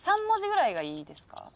３文字ぐらいがいいですか？